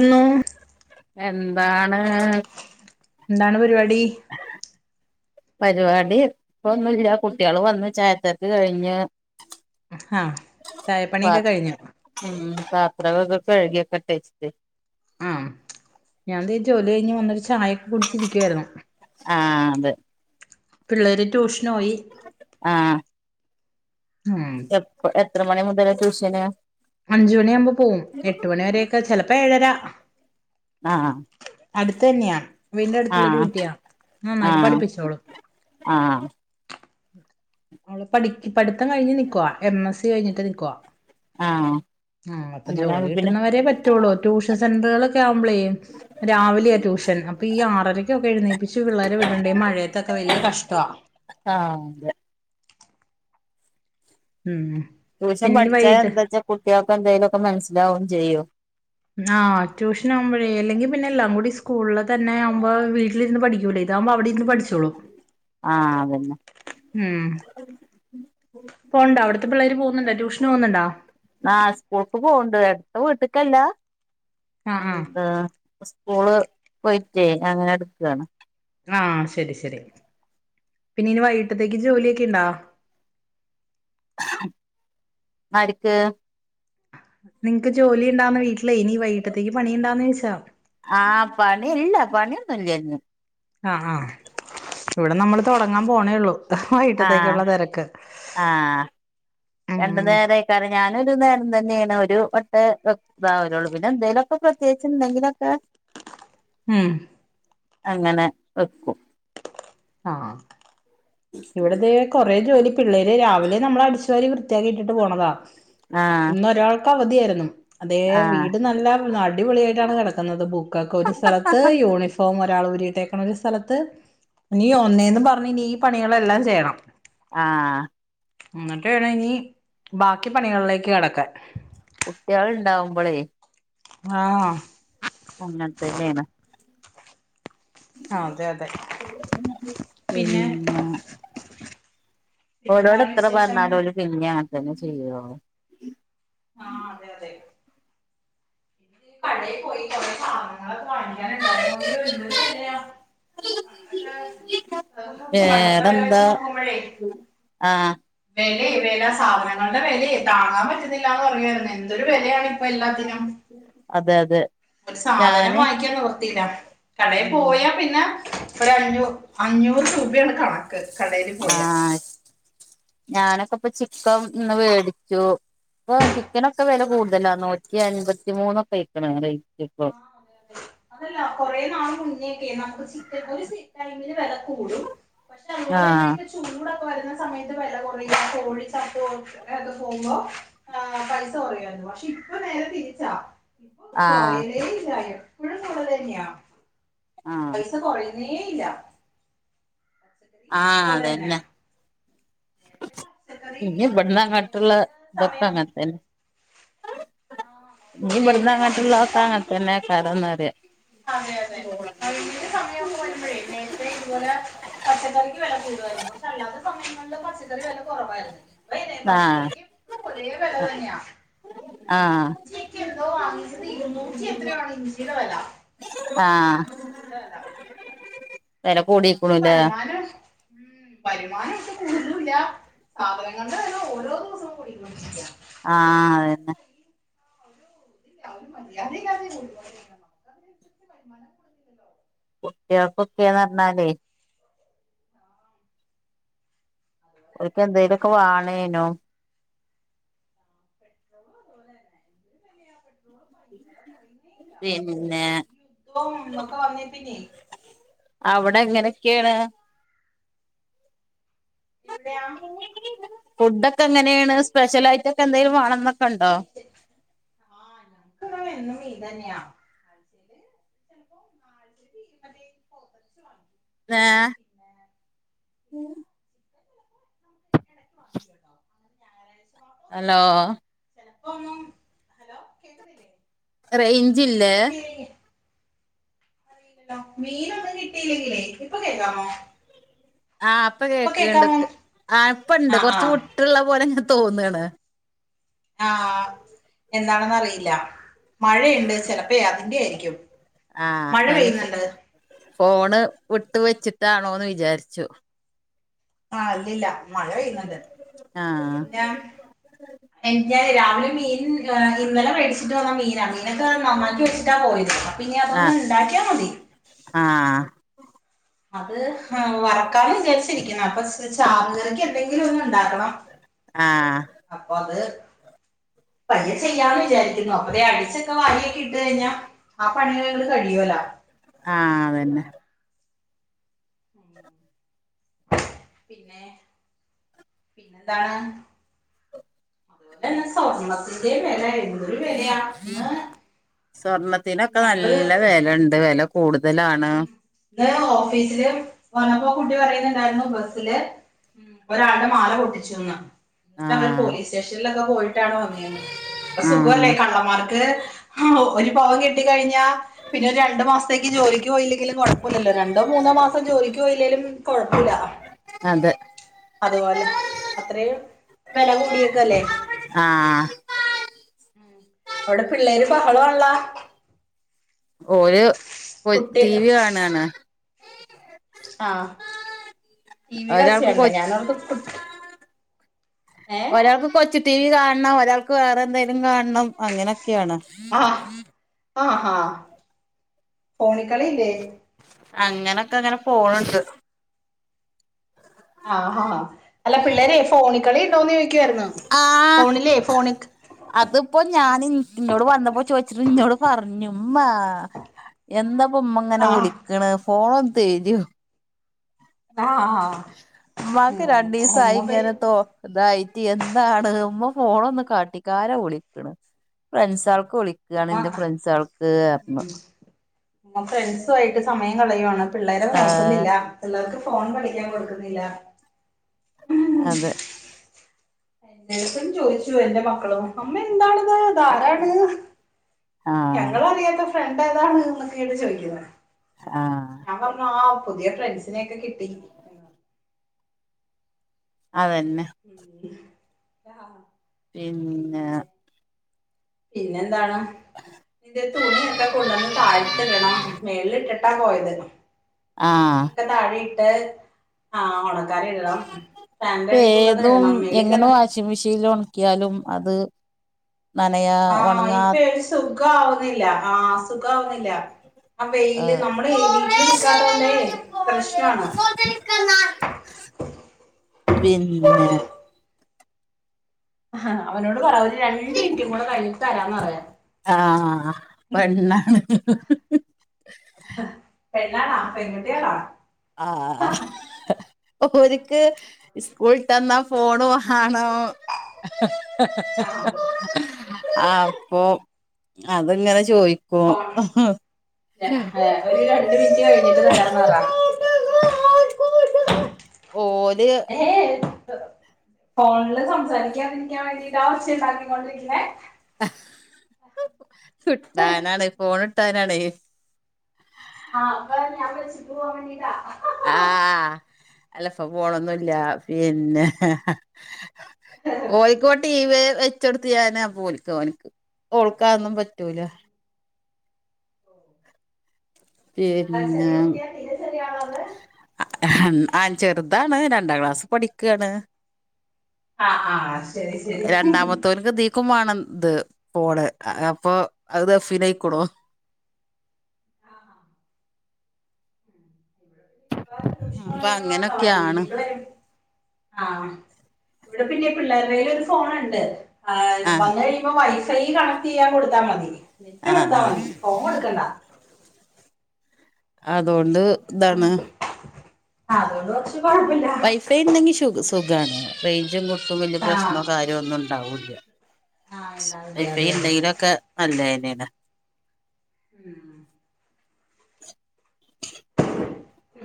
എന്നോ എന്താണ് എന്താണ് പരിപാടീ? പരിപാടി ഇപ്പൊന്നുല്ല്യ, കുട്ടീള് വന്നു ചായത്തരക്ക് കഴിഞ്ഞ് ഹാ, ചായപ്പണിയൊക്കെ കഴിഞ്ഞു. മ്മ്ഹ്, പാത്രാവൊകെ കഴികിക്കട്ടേച്ചിട്ടേ. ആഹ് ഞാൻതെ ജോലിഴിഞ്ഞ് വന്നിട്ട് ചായൊക്കെ കുടിച്ചിരികിയാരുന്നു. ആഹ് അതെ. പിള്ളേര് ട്യൂഷനോയി. ആഹ് ആഹ്. എപ്പ എത്ര മണി മുതലാ ട്യൂഷന്? അഞ്ചു മണിയാമ്പോ പോവും, എട്ട് മണിവരെയൊക്കെ ചേലപ്പോ ഏഴരാ ആഹ് അടുതന്നെയാ, വീന്റെ അടുത്തുള്ളൊരു ആഹ് കുട്ടിയാ, നന്നായിട്ട് ആഹ് പഠിപ്പിച്ചോളും. ആഹ്. മോള് പടി പഠിത്തം കഴിഞ് നിക്കുവാ, എം. എസി കഴിഞ്ഞട്ട് നിൽകുവ. ആഹ് ആഹ് പ്പൊ ജോലി അങ്ങനാവുമ്പോ പിന്നെ കിട്ടുന്നവരേ പറ്റുള്ളൂ, ട്യൂഷൻ സെഡ്രോളൊക്കെ ആവുമ്പളേയ് രാവിലെയാ ട്യൂഷൻ, അപ്പൊ ഈ ആറരക്കൊക്കെ എഴുന്നേപ്പിച്ച് പിള്ളേരെ വിടേണ്ടേ, ഈ മഴയത്തൊക്കെ വല്ല്യ കഷ്ട്ടാ. ആഹ്. മ്മ്ഹ്. ട്യൂഷൻ പഠിച്ചാൽ എന്താച്ചാ കുട്ടീൾക്ക് എന്തേയ്ലോക്കേ മനസ്സിലാവും ചെയ്യും. ആഹ് ട്യൂഷൻ ആകുമ്പഴേ അല്ലെങ്കി പിന്നെ എല്ലാം കൂടി സ്കൂളിൽ തന്നെ ആകുമ്പോ വീട്ടിലിരുന്ന് പഠിക്കൂലേ. ഇതാവുമ്പോ അവിടെര്ന്ന് പഠിച്ചോളും. ആഹ് അതന്നെ. പോവ്ണ്ടോ അവിടുത്തെ പിള്ളേര് പോകുന്നുണ്ടോ ട്യൂഷന് പോകുന്നുണ്ടോ? ആഹ് സ്കൂൾക്ക് പോവ്ണ്ട്. എടുത്ത വീട്ട് ക്കല്ല. ആഹ് ആഹ് എന്താ സ് സ്‌കൂൾ പോയിറ്റെ അങ്ങനെ ഇട്ക്കാണ്. ആഹ് ശരി ശരി. പിന്നെ ഇനി വൈകിട്ടത്തേക്ക് ജോലിയൊക്കെ യിണ്ടോ? ആര്ക്ക് നിങ്ങക്ക് ജോലി ഉണ്ടാവുന്ന വീട്ടിലേ ഇനി വൈകിട്ടത്തേക്ക് പണിയുണ്ടാന്ന് ചോദിച്ചതാ. ആഹ് പണി യില്ല പണിയൊന്നുല്ല്യ ന്ന് ആഹ് ആഹ്. ഇവടെ നമ്മൾ തുടങ്ങാൻ പോണേ ഒള്ളൂ വൈകിട്ടത്തേക്കുള്ള ആഹ് തെരക്ക്. ആഹ് രണ്ടു നേരേയ്കാരം ഞാനും ഒരു നേരം തന്നേണ്. ഒരു വട്ടെ വെ ഇതാവലൊള്ളൂ പിന്നെന്തേലും ഒക്ക പ്രത്യേകിച്ച് ഇണ്ടെങ്കിലൊക്കെ. ഉം. അങ്ങനെ വെക്കും ആഹ് ഇവട ദേ കൊറേ ജോലി പിള്ളേര് രാവിലെ നമ്മള് അടിച്ചു വാരി വൃത്തിയാക്കി ഇട്ടിട്ട് പോണതാ ആഹ് ഇന്ന് ഒരാൾ ക്കവധിയാര്ന്നും അതേ ആഹ് വീട് നല്ല അടിപൊളി ആയിട്ടാണ് കെടക്കുന്നത് ബുക്കൊക്കെ ഒരു സ്ഥലത്ത് യൂണി ഫോം ഒരാൾ ഊരിയിട്ടേക്ണ് ഒരു സ്ഥലത്ത്. ഇനി ഒന്നേന്ന് പറഞ് ഇനി ഈ പണികളെല്ലാം ചെയ്യണം. ആഹ്. ഇന്നട്ട് വേണം ഇനി ബാക്കി പണികളിലേക്ക് കടക്കാൻ. കുട്ടിയേൾ ഉണ്ടാവുമ്പളേ. ആഹ്. അങ്ങൻത്തന്നേണ്. അതെ അതെ പിന്ന പിന്നെ ഓലോട് പിന്നെന്താണ് എത്ര വിശേഷം പറഞ്ഞാലും ഓല് പിന്നിം അങ്ങൻ തന്നെ ചെയ്യൊള്ളു. ആഹ് അതെ അതെ. കടയി പോയി സാധനങ്ങളൊക്കെ വാങ്ങിക്കാനുണ്ടായിരുന്നു. ഇയ്യോ എന്തൊരു വെലയാ പണ്ടൊക്കെ [unintelligible] പണ്ടത്തെ വെല വേറെന്താ വെച്ച് നോക്കുമ്പഴേ. ആഹ് വെലെ വെല സാധനങ്ങളുടെ വെലെ താങ്ങാൻ പറ്റുന്നില്ലാന്ന് പറയായിരുന്നു. എന്തൊരു വെലയാണ് ഇപ്പൊ എല്ലാത്തിനും. അതെ അതെ. ഒരു സാധനം ഞാന് വാങ്ങിക്കാൻ നിവർത്തിയില്ല കടയി ഉം പോയാ പിന്നെ. ഒരഞ്ഞു അഞ്ഞൂറ് രൂപയാണ് കണക്ക് കടയില് പോയാ. ആഹ് ഞാനൊക്കെ ഇപ്പ ചിക്കൻ ഇന്ന് വേടിച്ചു. ഇപ്പൊ ചിക്കനൊക്കെ വെല കൂടുതലാ. നൂ റ്റി അൻപത്തിമൂന്നൊക്കെ അയ്ക്ണ് റേയ്റ്റ് ആ ഇപ്പം. അതെ അതല്ല കൊറേ നാൾ മുന്നേ ഒക്കെ നമുക്ക് ചിക്കൻ ഒരു ടൈമില് വെല കൂടും പക്ഷെ അതുപോലെന്നേ ആഹ് ഇപ്പൊ ചൂടൊക്കെ വരുന്ന സമയത്ത് വെല കുറയും കോഴി ചത്തു [unintelligible] പോകുമ്പോ. ആഹ് പൈസ കൊറ്യുയായിരുന്നു പക്ഷെ ഇപ്പൊ നേരെ തിരിച്ചാ. ഇപ്പൊ ആഹ് കൊറയ്ന്നേയില്ല എപ്പഴും കൂടുതലന്ന്യാ. ആഹ് പൈസ കൊറയ് ന്നേയില്ല. ആഹ് തന്നെ അതന്നെ. നേരത്തെ പച്ചക്കറി ഇഞ് മീൻ ഇവട്ന്ന് അങ്ങട്ടുള്ള നൊയമ്പിന്റെ ഇതൊക്കെ സമയം അങ്ങൻതന്നെ. ആഹ് ഇഞ് ഇവട്ന്ന് നേരത്തെ നൊയമ്പിന്റെ അങ്ങട്ടുള്ളതൊക്കെ സമയം അങ്ങനത്തന്നേക്കാരംന്ന് പറയാ. അതെ അതെതെ. [unintelligible] സമയൊക്കെ വരുമ്പഴേ നേരത്തെ ഇതുപോലെ. പച്ചക്കറിക്ക് വെല കൂടുവായിരുന്നു. പക്ഷെ അല്ലാത്ത സമയങ്ങളില് പച്ചക്കറി വെല കൊറവായിരുന്നു. [unintelligible] പച്ച ആഹ് കറിക്ക് എപ്പഴും ഒരേ വെല തന്നെയാ. ഇന്നാന്നേ ആഹ് ഇഞ്ചിയെക്കെ എന്തോ വാങ്ങിച്ചത് ഇരുന്നൂറ്റി എത്രയോ ആണ് ഇഞ്ചിയുടെ വെല ആഹ് വില നമുക്ക് കൂടിക്ക്ണുല്ലേ വരുമാനം ഉം വരുമാനം ഒട്ടും കൂടുന്നു ഇല്ല. സാധനങ്ങളുടെ വെല ഓരോ ദിവസവും കൂടിക്കൊണ്ടിരിക്കാ. ആഹ് അതെന്നെ അഹ് ഒരു മര്യാദ ഇല്ലാതെ [unintelligible] ണ് [unintelligible] കുട്ടിയാക്കൊക്കെന്ന് പറഞ്ഞാലേ ആഹ് അതുപോലെ തന്നെ പെട്രോൾ ഓല്ക്കെന്തെലൊക്കെ വാണേനും പെട്രോളിന് ആഹ് പെട്രോളും അതുപോലെ തന്നെ എന്തൊരു പിന്നെ [unintelligible] യുദ്ധവും ഒക്കെ വന്നേ പിന്നെ അവടെ എങ്ങനെക്കേണ് ഇവിടെയാ എങ്ങനെ ങ്ങനെ എങ്ങനെ ഫുഡൊക്കെ എങ്ങനെയാണ് സ്പെഷ്യലായിട്ടൊക്കെ എന്തെങ്കിലും വാണംന്നൊക്കെണ്ടോ സ്പേഷ്യൽ ആഹ് ഞങ്ങ്ക്ക് വ്ടെ എന്നും ഈതന്നെയാ ചെലെ [unintelligible] ചെലപ്പോ നാൾ ന്ന് [unintelligible] പോത്തെർച്ചി വാങ്ങി [unintelligible] വേ ന്നെ [unintelligible] വ ചിക്കന് [unintelligible] എടക് വാങ്ങും കേട്ടോ അങ്ങനെ ഹലോ ചെലപ്പൊ ഒങ്ങും ഹലോ കേക്കുന്നില്ലേ റെയ്ഞ്ച് ഇല്ലേ മീനൊന്നും കിട്ടിയില്ലെങ്കി ഹലോ മീനൊന്നും കിട്ടിയില്ലെങ്കിലേ ഇപ്പൊ കേക്കാമോ ആഹ് ഇപ്പൊ കേക്ക്ണ്ട് പൊ ആഹ് ഇപ്പണ്ട് ആഹ് കൊറച്ച് ആഹ് വ്ട്ട്ള്ള പോലെ ങ്ങ് തോന്നാണ് ആഹ് എന്താണെന്നറിയില്ല മഴയുണ്ട് ചിലപ്പെയ് അതിന്റെ ആയിരിക്കും ആഹ് മഴ ഞാൻ ഞ് ഫോ പെയ്യുന്നുണ്ട് ഫോണ് വിട്ട് വെച്ചിട്ടാണോന്ന് വിചാരിച്ചു ആഹ് ഇല്ലില്ല മഴ പെയ്ന്ന്ണ്ട് ആഹ് [inaudible] എനിക്കെയ് രാവിലെ മീൻ [unintelligible] വേണം ഇന്നലെ മേടിച്ചിട്ട് വന്ന മീനാ മീനൊക്കെ നന്നാക്കി വെച്ചിട്ടാ പോയത് പിഞ്ഞതൊന്ന് ഇണ്ടാക്കിയാമതി ആഹ് അത് ഹ് വറക്കാന്ന് വിചാരിച്ചിരിക്ക്ന്ന് അപ്പൊ ച ചാറു കറിക്ക് എന്തെങ്കിലും ഒന്ന് ണ്ടാക്കണം [unintelligible] ആഹ് അപ്പ അത് പയ്യെ ചെയ്യാന്ന് വിചാരിക്കുന്നു അപ്പൊതേ അടിച്ചൊക്കെ വാരിയൊക്കെ ഇട്ട് കഴിഞ്ഞ ആ പണിയേണ്ട് കഴിയോലാ ആഹ് അതന്നെ പിന്നേ പിന്നെന്താണ് അതുപോലെന്നെ സ്വർണ ത്തിന്റേം വില [unintelligible] എന്തൊരു വെലയാ ന്ന് സ്വർണത്തിനൊക്കെ നല്ല വെലണ്ട് വെല കൂടുതലാണ് ഇന്നലെ ഓഫീസില് വന്നപ്പോ അ കുട്ടി പറയുന്നുണ്ടായിരുന്നു ബസില് ഒരാൾടെ മാല പൊട്ടിച്ചുന്ന് ആ ഇന്നട്ട് അവര് പോലീസ് സ്റ്റേഷൻലൊക്കെ പോയിട്ടാണ് വന്നേന്ന് ഇപ്പൊ ആ സുഖവല്ലേ കള്ളമാർക്ക് ഹാവൂ ഒരു പവൻ കിട്ടി കഴിഞ്ഞാ പിന്നെ ഒരു രണ്ടു മാസത്തേക്ക് ജോലിക്ക് പോയില്ലെ ങ്കിലും കൊഴപ്പൊല്ലല്ലോ രണ്ടോ മൂന്നോ മാസം ജോലിക്ക്‌ പൊയില്ലേലും കൊഴപ്പൊല്ല അതെ അതുപോലെ അത്രയും വെല കൂടിയേക്കല്ലേ ആഹ് അവിടെ പിള്ളേര് ബഹളവാണള്ളാ ഓര് ഒര് കുട്ടി ടി വി കാണാണ് ആഹ് ടിവിടെ ഒരാൾക്ക് കൊ ഒച്ചയാണല്ലേ ഞാൻ ഓർത്തു കുട്ടി ഒരാൾക്ക് കൊച്ചു ടിവി കാണണം. ഒരാൾക്ക് വേറെ എന്തേലും കാണണം അങ്ങനെയൊക്കെയാണ് ആഹ് ആഹ്ഹ ഫോണിക്കളിയില്ലേ? അങ്ങനോക്കെ അങ്ങന പോണുണ്ട് ആഹ് ഹാ അല്ല പിള്ളേരെ ഫോണിക്കളി ഉണ്ടോന്ന് ചോയ്ക്കാർന്നു. ഫോണിലേ ഫോണ് അത്പ്പോ ഞാന് ഇന്നോട് വന്നപ്പോ ചോദിച്ചിട്ട് ഇന്നോട് പറഞ്ഞ് മ്മാ എന്താപ്പമ്മ ഇങ്ങന ആഹ് വിളിക്കണ് ഫോണ് ഒന്ന് തര്വോ? ആഹ് ഉമ്മാക്ക് രണ്ടീസായി ഉമ്മ ഇങ്ങനത്തോ ഇതായിട്ട് എന്താണ്? ഉമ്മ ഫോണ് ഒന്ന് കാട്ടിക്കാ ആരാ വിളിക്കണ്? ഫ്രൻസോൾക്ക് വിളിക്കുകാണ്. ഉമ്മ ന്റെ ഫ്രൻസോൾക്ക് പറഞ്ഞു. ഞാൻ ഫ്രൻസു ആയിട്ട് സമയം കളയുവാണ് പിള്ളേരേ ഏഹ് നോക്കുന്നില്ല. പിള്ളാർക്ക് ഫോൺ കളിക്കാൻ കൊടുക്കുന്നില്ല അതെ എന്നട്ത്തും ചോദിച്ചു എന്റെ മക്കളും അമ്മ എന്താണത്? അത് ആരാണ്? ആഹ് ഞങ്ങളറിയാത്ത ഫ്രണ്ട് ഏതാണ് എന്നൊക്കെയാണ് ചോയ്ക്കുന്നേ ആഹ് ഞാൻ പറഞ്ഞു ആഹ് പുതിയ ഫ്രൻസിനെയൊക്കെ കിട്ടി പറഞ്ഞു അതന്നെ ഉം ആഹ പിന്നെ പിന്നെന്താണ്? ഇന്റെ തുണിയൊക്കെ കൊണ്ടന്ന് താഴ്ത്ത്ടണം. മേൽല് ഇട്ട്ട്ടാ പോയത് ആഹ് തുണിയൊക്കെ താഴെയിട്ട് ആഹ് ഒണക്കാൻ ഇടണം ഫാന്റെ ഇപ്പ അടി കൊണ്ടന്നു ഏതും ഇടണം. മേളി എങ്ങനെ കെടാ വാഷിംഗ് മെഷീനിൽ ഒണക്ക്യാലും അത് നനയാ ആഹ് ഒണങ്ങാ ഇപ്പൊ ഒരു സുഖാവുന്നില്ല ആഹ് സുഖാവുന്നില്ല ആഹ് വെയില് ഏഹ് നമ്മളെ വീട്ടില് നിക്കാത്തോണ്ടേ പ്രശ്നാണ് ക്കമ്മാ പിന്നെ അവനോട് പറ ഒരു രണ്ടു മിനിറ്റും കൂടെ കഴിഞ്ഞിട്ട് തരാന്ന് പറ ആഹ് പെണ്ണാണ് ആഹ് പെണ്ണാണോ പെങ്കോ- ആഹ് ആഹ് ഓരിക്ക്‌ സ്കൂള്ട്ടന്ന ഫോണ് വാ ആണോ? ആഹ് അപ്പോ അത്ങ്ങനെ ചോയ്ക്കും. ഒര് രണ്ടു മിനിറ്റ് കഴിഞ്ഞിട്ട് തരാന്ന് പറ ഓര് ഹ [inaudible] ഫോണില് സംസാരിക്കാതിരിക്കാൻ വേണ്ടിയിട്ട ആ ഒച്ച ഉണ്ടാക്കിക്കൊണ്ടിരിക്കണെ? കിട്ടാനാണ് ഫോണ് കിട്ടാനാണേ ആ അപ്പ ഞാൻ വെച്ചിട്ട് പോവാൻ വേണ്ടിട്ടാ ആ അല്ല പ്പ പോണൊന്നുല്ല പിന്നെ ഓലിക്ക് ഇവ ടി വി വെ ച്ചോടുത്ത് അപ്പോ ഓലിക്ക് ഓനിക്ക്. ഓൾക്കാതൊന്നും പറ്റൂല. ഓഹ് ആഹ് പിന്നെ ചെറിയ കുട്ടിയാ തീരെ ചെറിയ ആളാ ഇത്? ആഹ് ആൻ ചെറുതാണ്. രണ്ടാം ക്ലാസ് പഠിക്കാണ്. ആഹ് ആഹ് ശരി ശരി ക്കും വേണം ത് പോണ് അപ്പോ അത്ഫനയിക്കുണു ട്യൂഷന് അപ്പൊ പോയേക്കണോണ്ട അങ്ങനൊക്കെയാണ് വൈകീട്ട് വരും. ആ വിടെ പിന്നെ പിള്ളേർടെ കയ്യിൽ ഒരു ഫോണണ്ട് ആ ആഹ് വന്ന് കഴിയുമ്പോ വൈ ഫെയ് കണക്ട് ചെയ്യാൻ കൊടുത്താ മതി നെറ്റ് ആഹ് കൊടുത്താ ആഹ് മതി ഫോൺ കൊടുക്കണ്ട അതുകൊണ്ട് ഇതാണ് ആ അതൊണ്ട് കൊർച് കൊ വൈഫൈ ഇണ്ടങ്കി ശു സുഖാണ് റേഞ്ചും കിട്ടും വല്ല ആ പ്രശ്നോ കാ അ ഒന്നും ഇണ്ടാവൂല്ല ആ ഉണ്ടാവില്ല അതെ വൈഫൈ അതെ ഉണ്ടയിലൊക്കെ നല്ലതന്നെയാണ് ഉം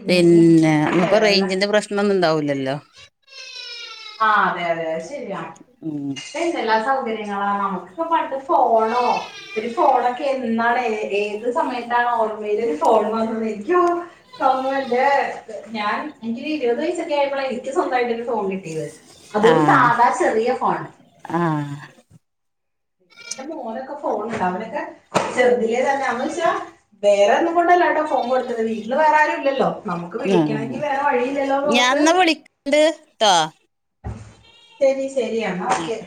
പിന്നെ മ്മ്പ്പോ വേറെന്താ റേഞ്ചിന്റെ പ്രശ്നം ഒന്നും ഇണ്ടാവുലല്ലോ ആ അതെ അതെ അത് ശരിയാ ഉം എന്തെല്ലാ സൗകര്യങ്ങളാ നമക്കൊക്കെ പണ്ട് ഫോണോ ഒരു ഫോണൊക്കെ എന്നാണ് ഏത് സമയത്താണ് ഓർമ്മയില് ഒരു ഫോൺ വന്നത് എനിക്ക് ഓർ തോന്നത് ഞാൻ എനിക്കൊരു ഇരുപത് വയസ്സൊക്കെ ആയപ്പൊള എനിക്ക് സ്വന്തമായിട്ട് ഒരു ഫോൺ കി ട്ടിയത് അതും ആഹ് സാധാ ചെറിയ ഫോൺ ആഹ് എന്റെ മോനൊക്കെ ഫോണുണ്ട് അവനൊക്കെ ചെറുതിലെ തന്നെ ന്ന് വെച്ചാ വേറെ ഒന്നും കൊണ്ടല്ലാട്ടോ ഫോൺ കൊടുത്തത് വീട്ടില് വേറെ ആരും ഇല്ലല്ലോ നമുക്ക് വിളിക്കണങ്കി ഞാൻ വേറെ വഴിയില്ലല്ലോ എന്ന് ഓർത്ത് എന്നാ വിളിക്കണ്ട് ട്ടോ ശരി ശരി അന്നാ ആഹ് ഓക്കെ